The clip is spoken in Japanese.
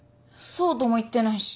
そうとも言ってないし。